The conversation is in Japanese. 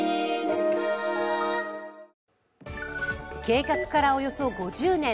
計画からおよそ５０年。